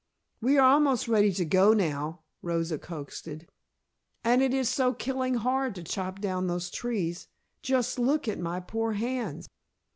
"We are almost ready to go now," Rosa coaxed. "And it is so killing hard to chop down those trees. Just look at my poor hands!"